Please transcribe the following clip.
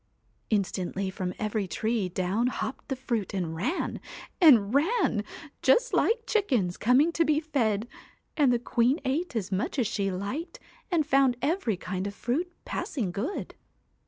Instantly from every tree down hopped the fruit and ran and ran just like chickens coming to be fed, and the queen ate as much as she liked, and found every kind of fruit passing good.